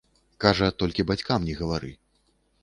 Кажа, толькі бацькам не гавары.